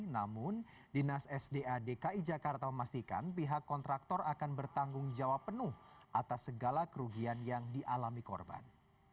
namun dinas sda dki jakarta memastikan pihak kontraktor akan bertanggung jawab penuh atas segala kerugian yang dialami korban